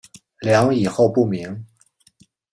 梁以后不明。